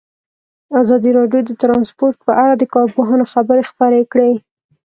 ازادي راډیو د ترانسپورټ په اړه د کارپوهانو خبرې خپرې کړي.